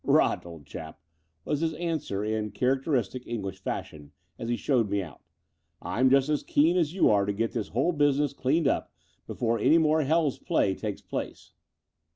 "Rot, old chap," was his answer in characteristic English fashion, as he showed me out, "I'm just as keen as you are to get this whole business cleaned up before any more hell's play takes place."